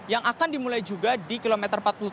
yang akan dimulai juga di kilometer empat puluh tujuh